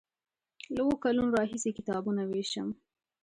له اوو کلونو راهیسې کتابونه ویشم.